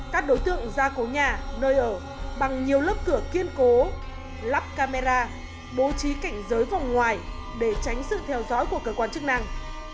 các đối tượng ra cố nhà nơi ở bằng nhiều lớp cửa kiên cố lắp camera bố trí cảnh giới vòng ngoài để tránh sự theo dõi của cơ quan chức năng